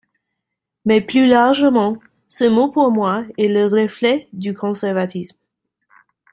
Mais plus largement, ce mot pour moi est le reflet du conservatisme